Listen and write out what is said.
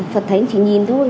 phật thánh chỉ nhìn thôi